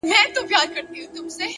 هغه چي ماته يې په سرو وینو غزل ليکله”